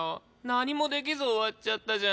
何もできず終わっちゃったじゃん！